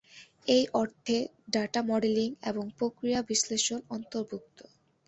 এই অর্থে data modelling এবং প্রক্রিয়া বিশ্লেষণ অন্তর্ভুক্ত।